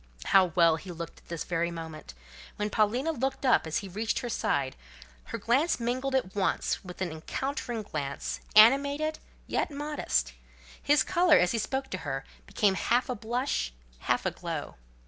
How well he looked at this very moment! When Paulina looked up as he reached her side, her glance mingled at once with an encountering glance, animated, yet modest; his colour, as he spoke to her, became half a blush, half a glow.